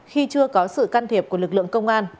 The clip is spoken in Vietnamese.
khi chưa có sự can thiệp của lực lượng công an